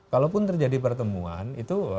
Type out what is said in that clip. kalaupun terjadi pertemuan itu